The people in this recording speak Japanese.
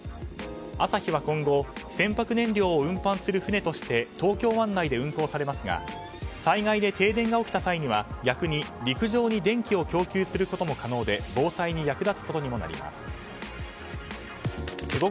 「あさひ」は今後、船舶燃料を運搬する船として東京湾内で運航されますが災害で停電が起きた際には、逆に陸上に電気を供給することも可能で防災に役立つことにもなります。